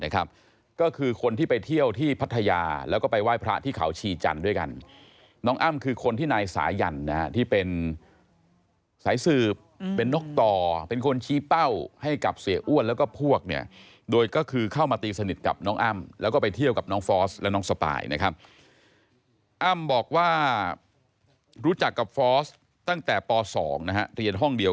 ก็คือคนที่ไปเที่ยวที่พัทยาแล้วก็ไปไหว้พระที่เขาชีจันทร์ด้วยกันน้องอ้ำคือคนที่นายสายันที่เป็นสายสืบเป็นนกต่อเป็นคนชี้เป้าให้กับเสียอ้วนแล้วก็พวกเนี่ยโดยก็คือเข้ามาตีสนิทกับน้องอ้ำแล้วก็ไปเที่ยวกับน้องฟอสและน้องสปายนะครับอ้ำบอกว่ารู้จักกับฟอสตั้งแต่ป๒นะฮะเรียนห้องเดียว